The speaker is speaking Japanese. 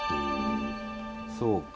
そうか。